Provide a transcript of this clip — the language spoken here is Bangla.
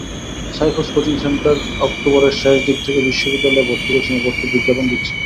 সাইফুরস কোচিং সেন্টার অক্টোবরের শেষ দিক থেকে বিশ্ববিদ্যালয়ে ভর্তি কোচিংয়ে ভর্তির বিজ্ঞাপন দিচ্ছে।